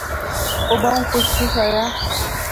او بہوں خوش خوش آیا